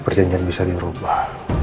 perjanjian bisa dirubah